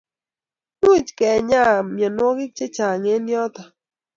Much kenyaa mionwek che chang' eng' yuto